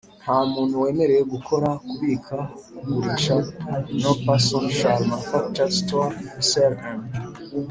Nta muntu wemerewe gukora kubika kugurisha No person shall manufacture store sell and